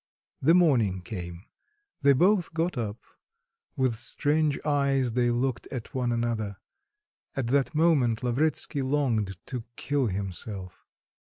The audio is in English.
The morning came; they both got up. With strange eyes they looked at one another. At that moment Lavretsky longed to kill himself.